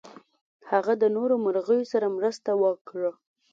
هغه د نورو مرغیو سره مرسته وکړه.